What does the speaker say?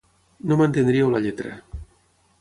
No m'entendríeu la lletra.